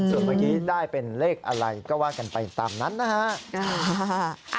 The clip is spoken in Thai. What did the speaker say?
ส่วนเมื่อกี้ได้เป็นเลขอะไรก็ว่ากันไปตามนั้นนะฮะ